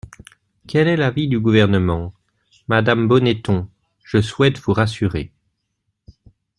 Quel est l’avis du Gouvernement ? Madame Bonneton, je souhaite vous rassurer.